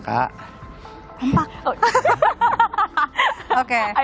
kamu gak dapat ya kak